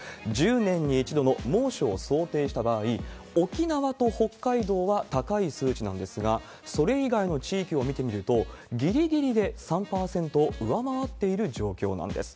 １０年に一度の猛暑を想定した場合、沖縄と北海道は高い数値なんですが、それ以外の地域を見てみると、ぎりぎりで３％を上回っている状況なんです。